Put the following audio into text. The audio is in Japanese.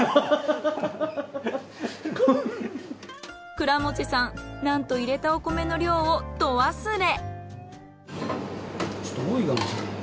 倉持さんなんと入れたお米の量をド忘れ。